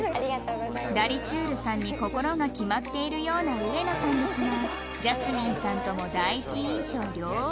ダリちゅーるさんに心が決まっているような植野さんですがジャスミンさんとも第一印象両思い